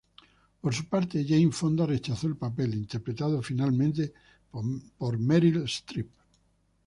Por su parte, Jane Fonda rechazó el papel interpretado finalmente por Meryl Streep.